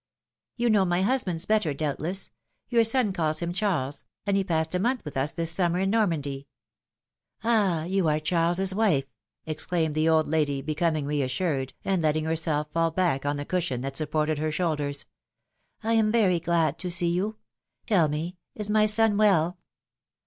You know my husband's better, doubtless ; your son calls him Charles, and he passed a month with us this summer in Normandy." ^^Ah ! you are Charles' wife!" exclaimed the old lady, becoming reassured, and letting herself fall back on the cushion that supported her shoulders. am very glad to see you. Tell me, is my son well